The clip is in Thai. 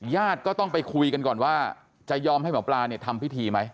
ญาติก็ต้องไปคุยกันก่อนว่าจะยอมให้หมอปลาเนี่ยทำพิธีไหม